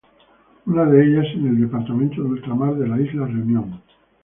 Una de ellas en el departamento de ultramar de la Isla Reunión.